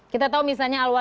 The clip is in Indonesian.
kita tahu misalnya al wale